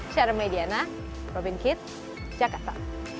saya arma ediana robin kitt jakarta